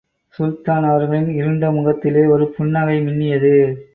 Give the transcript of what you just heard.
சுல்தான் அவர்களின் இருண்ட முகத்திலே ஒரு புன்னகை மின்னியது.